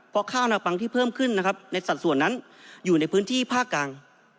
เพราะข้าวนาปังที่เพิ่มขึ้นนะครับในสัดส่วนนั้นอยู่ในพื้นที่ภาคกลาง